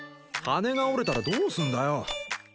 羽が折れたらどうすんだよ。